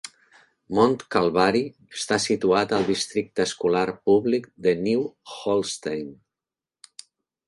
Mont Calvari està situat al districte escolar públic de New Holstein.